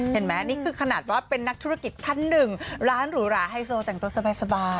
เห็นไหมนี่คือขนาดว่าเป็นนักธุรกิจท่านหนึ่งร้านหรูหราไฮโซแต่งตัวสบาย